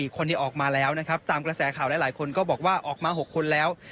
คนที่ออกมาแล้วนะครับตามกระแสข่าวหลายคนก็บอกว่าออกมา๖คนแล้ว